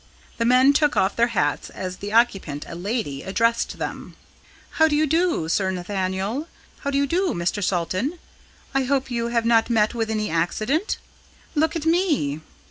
The men took off their hats, as the occupant, a lady, addressed them. "How do you do, Sir Nathaniel? How do you do, Mr. Salton? I hope you have not met with any accident. Look at me!"